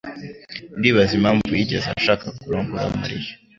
Ndibaza impamvu yigeze ashaka kurongora Mariya.